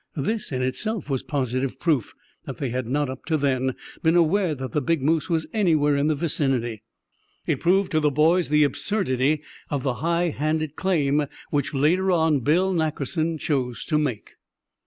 This in itself was positive proof that they had not up to then been aware that the big moose was anywhere in the vicinity. It proved to the boys the absurdity of the high handed claim which later on Bill Nackerson chose to make.